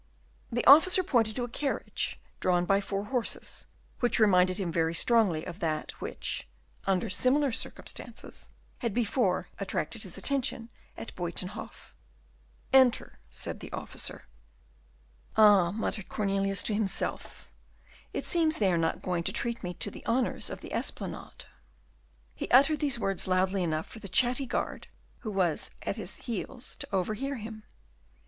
The officer pointed to a carriage, drawn by four horses, which reminded him very strongly of that which, under similar circumstances, had before attracted his attention at Buytenhof. "Enter," said the officer. "Ah!" muttered Cornelius to himself, "it seems they are not going to treat me to the honours of the Esplanade." He uttered these words loud enough for the chatty guard, who was at his heels, to overhear him.